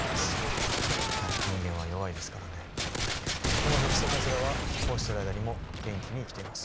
でもヘクソカズラはこうしてる間にも元気に生きています。